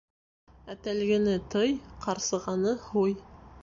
Әтәлгене тый, ҡарсығаны һуй.